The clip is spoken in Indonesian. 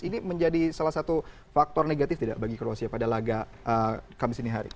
ini menjadi salah satu faktor negatif tidak bagi croatia pada laga kamis sinihari